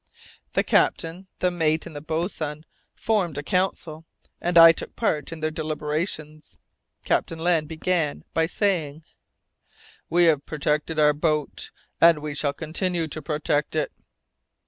The captain, the mate, and the boatswain formed a council, and I took part in their deliberations. Captain Len Guy began by saying, "We have protected our boat, and we shall continue to protect it."